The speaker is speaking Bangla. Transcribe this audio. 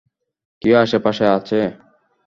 কেউ আশেপাশে আছে?